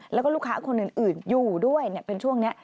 แล้วก็ลูกค้าคนอื่นอยู่ด้วยเป็นช่วงนี้